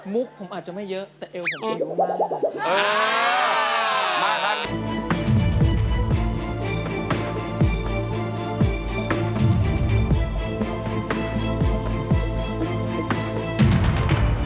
มุกผมอาจจะไม่เยอะแต่เอวผมเยอะมาก